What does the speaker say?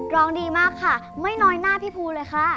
ร้องดีมากค่ะไม่น้อยหน้าพี่ภูเลยค่ะ